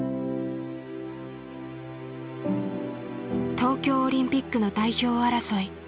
東京オリンピックの代表争い。